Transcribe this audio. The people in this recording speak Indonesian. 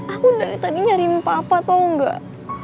aku dari tadi nyariin papa tau gak